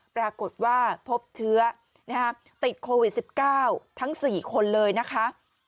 ปรากฏว่าพบเชื้อติดโควิด๑๙ทั้ง๔คนเลยนะคะ